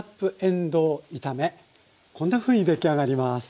こんなふうに出来上がります。